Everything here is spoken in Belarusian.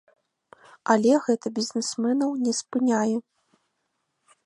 Але гэта бізнесменаў не спыняе.